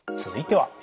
続いては。